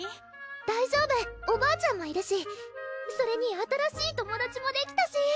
大丈夫おばあちゃんもいるしそれに新しい友達もできたし！